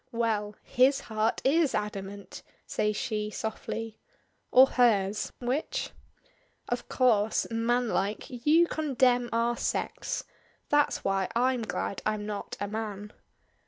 "Well! His heart is adamant!" says she softly. "Or hers which?" "Of course manlike you condemn our sex. That's why I'm glad I'm not a man."